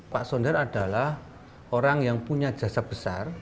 pak sonder adalah orang yang punya jasa besar